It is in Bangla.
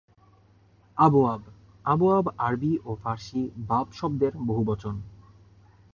আবওয়াব আবওয়াব আরবি ও ফারসি ‘বাব’ শব্দের বহুবচন।